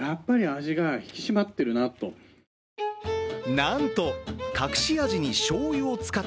なんと、隠し味にしょうゆを使っ